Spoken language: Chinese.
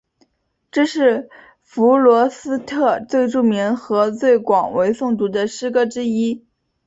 这是弗罗斯特最著名和最广为诵读的诗歌之一。